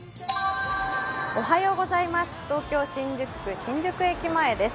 東京・新宿区新宿駅前です。